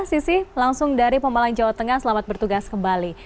sisi langsung dari pemalang jawa tengah selamat bertugas kembali